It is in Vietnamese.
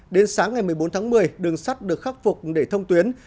đến sáng ngày một mươi bốn tháng một mươi đường sắt được khắc phục để thông tuyến